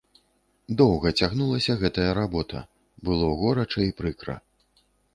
Доўга цягнулася гэтая работа, было горача і прыкра.